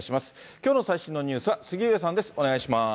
きょうの最新のニュースは杉上さんです。